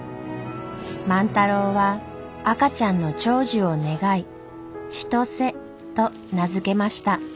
万太郎は赤ちゃんの長寿を願い千歳と名付けました。